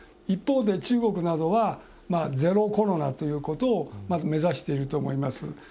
一方で、中国などはゼロコロナということをまず目指していると思います。